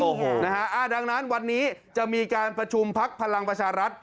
โอ้โหนะฮะดังนั้นวันนี้จะมีการประชุมพักพลังประชารัฐ